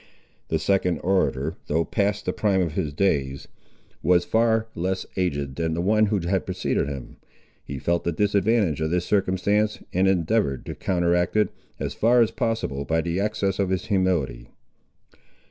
The second orator, though past the prime of his days, was far less aged than the one who had preceded him. He felt the disadvantage of this circumstance, and endeavoured to counteract it, as far as possible, by the excess of his humility.